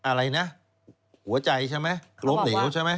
อะไรนะหัวใจใช่ไหมล้มเหลวใช่ไหม